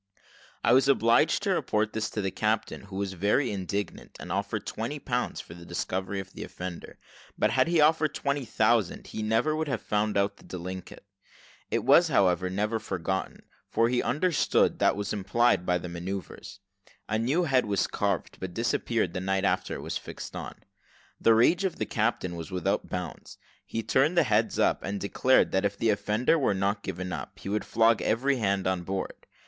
I was obliged to report this to the captain, who was very indignant, and offered twenty pounds for the discovery of the offender; but had he offered twenty thousand he never would have found out the delinquent. It was, however, never forgotten; for he understood what was implied by these manoeuvres. A new head was carved, but disappeared the night after it was fixed on. The rage of the captain was without bounds: he turned the hands up, and declared that if the offender were not given up, he would flog every hand on board.